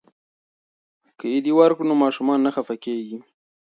که عیدي ورکړو نو ماشومان نه خفه کیږي.